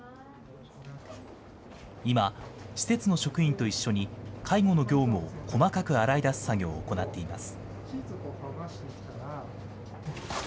今、施設の職員と一緒に介護の業務を細かく洗い出す作業を行っています。